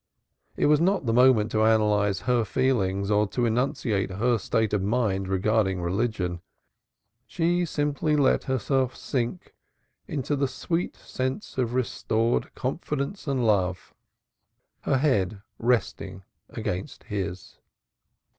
It was not the moment to analyze her feelings or to enunciate her state of mind regarding religion. She simply let herself sink in the sweet sense of restored confidence and love, her head resting against his.